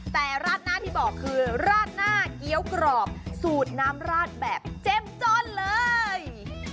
แต่ราดหน้าที่บอกคือราดหน้าเกี้ยวกรอบสูตรน้ำราดแบบเจ้มจ้อนเลย